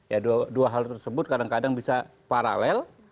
ya dua hal tersebut kadang kadang bisa paralel